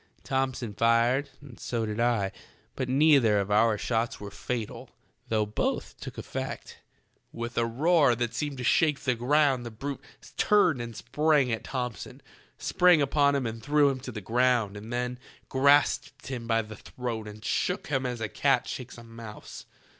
Thomson fired and so did I ; but neither of our shots was fatal, though both took effect. With a roar that seemed to shake the ground the brute turned and sprang at Thomson— sprang upon him and threw him to the ground, and then grasped him by the throat and shook him as a cat 138 THE TALKING HANDKERCHIEF. shakes a mouse.